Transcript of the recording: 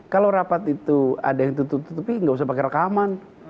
kalau rapat itu ada yang tutup tutupi nggak usah pakai rekaman